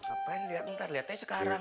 ngapain liat bentar liat aja sekarang